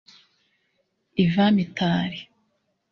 Yvan Mitali